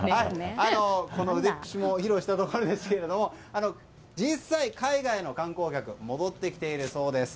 この腕っぷしも披露したところですが実際、海外の観光客が戻ってきているそうです。